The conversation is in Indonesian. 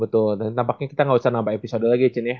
betul dan nampaknya kita gak usah nambah episode lagi cien ya